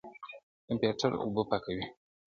کمپيوټر اوبه پاکوي.